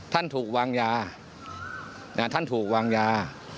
ท่านถูกวางยาท่านถูกวางยา